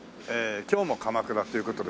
今日も鎌倉という事で。